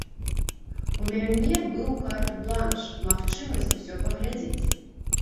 У мяне быў карт-бланш, магчымасць усё паглядзець.